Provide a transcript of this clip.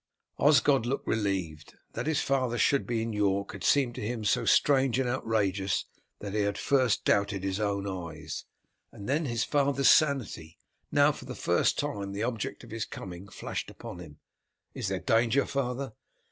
Osgod looked relieved. That his father should be in York had seemed to him so strange and outrageous that he had first doubted his own eyes, and then his father's sanity. Now for the first time the object of his coming flashed upon him. "Is there danger, father?"